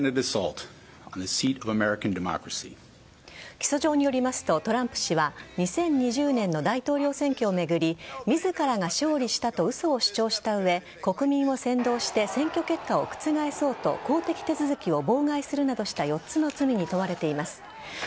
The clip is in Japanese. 起訴状によりますとトランプ氏は２０２０年の大統領選挙を巡り自らが勝利したと嘘を主張した上国民を扇動して選挙結果を覆そうと法的手続きを妨害するなどとした４つの罪に問われています。